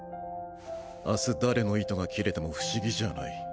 明日誰の糸が切れても不思議じゃない。